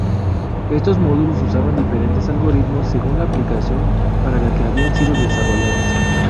Estos módulos usaban diferentes algoritmos según la aplicación para la que habían sido desarrolladas.